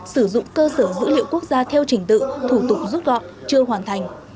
sử dụng cơ sở dữ liệu quốc gia theo trình tự thủ tục rút gọn chưa hoàn thành